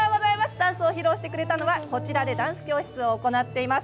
ダンスをしてくださったのはこちらでダンス教室を行っています